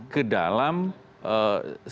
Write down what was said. ke dalam sebuah